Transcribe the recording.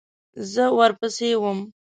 زه ورپسې وم .